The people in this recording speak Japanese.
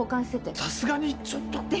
さすがにちょっと。